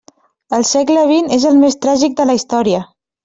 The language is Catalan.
El segle vint és el més tràgic de la història.